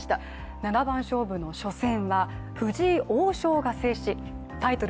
七番勝負の初戦は藤井王将が制しタイトル